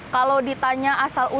kalau ditanya asal usulnya